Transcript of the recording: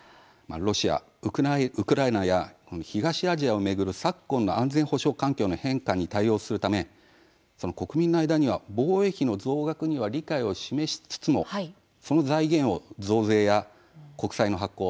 ロシア、ウクライナや東アジアを巡る昨今の安全保障環境の変化に対応するため国民の間には防衛費の増額には理解を示しつつもその財源を増税や国債の発行